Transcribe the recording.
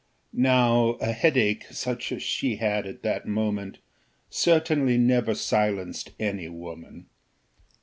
Now a headache, such as she had at that moment, certainly never silenced any woman.